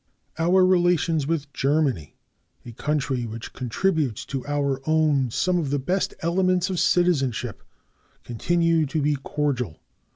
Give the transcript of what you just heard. Our relations with Germany, a country which contributes to our own some of the best elements of citizenship, continue to be cordial.